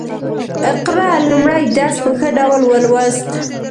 اقرا لومړی درس په ښه ډول ولوست